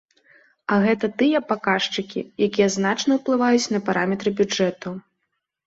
А гэта тыя паказчыкі, якія значна ўплываюць на параметры бюджэту.